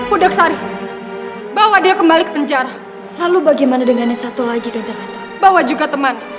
udah kembali ke penjara lalu bagaimana dengan satu lagi bahwa juga teman